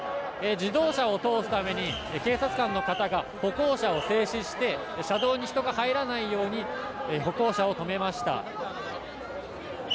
自動車を通すために警察官の方が歩行者を制止して車道に人が入らないように歩行者を止めました。